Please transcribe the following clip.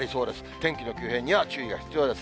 天気の急変には注意が必要です。